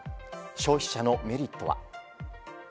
消費者のメリットは。